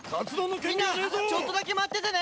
みんなちょっとだけ待っててね！